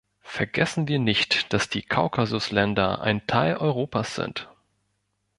Vergessen wir nicht, dass die Kaukasusländer ein Teil Europas sind.